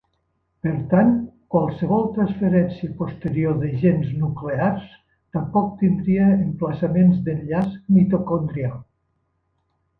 Per tant, qualsevol transferència posterior de gens nuclears tampoc tindria emplaçaments d'enllaç mitocondrial.